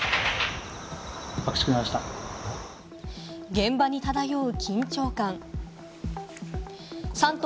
現場に漂う緊張感。